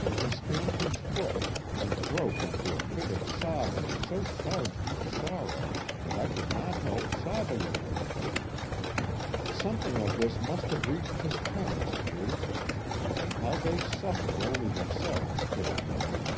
"And he stamped his foot, and broke into a fit of sobbing so charged with sorrow that I could not help sobbing with him. "Something of this must have reached his parents' ears, and how they suffered only themselves could have known.